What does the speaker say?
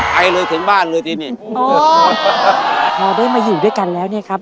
ไปเลยถึงบ้านเลยสินี่พอได้มาอยู่ด้วยกันแล้วเนี่ยครับ